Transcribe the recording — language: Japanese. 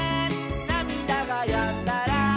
「なみだがやんだら」